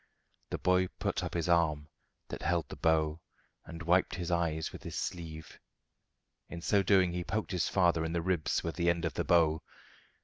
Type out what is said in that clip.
The boy put up his arm, that held the bow, and wiped his eyes with his sleeve. In so doing he poked his father in the ribs with the end of the bow.